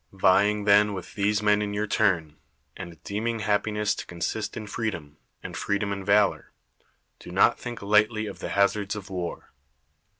Vying then with these men in your turn, and deeming happiness to consist in freedom, and freedom in valor, do not think lightly of the hazards of war.